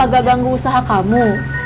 apa gak ganggu usaha kamu